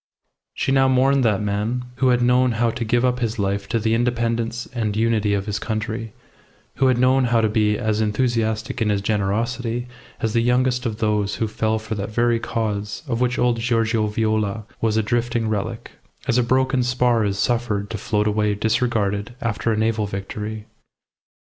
She now mourned that man, who had known how to give up his life to the independence and unity of his country, who had known how to be as enthusiastic in his generosity as the youngest of those who fell for that very cause of which old Giorgio Viola was a drifting relic, as a broken spar is suffered to float away disregarded after a naval victory.